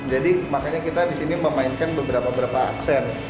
jadi makanya kita di sini memainkan beberapa berapa aksen